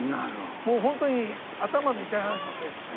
もう本当に頭の痛い話ばっかりですね。